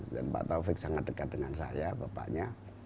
dan pak taufik sangat dekat dengan saya bapaknya